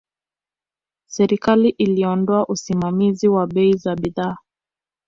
Serikali iliondoa usimamizi wa bei za bidhaa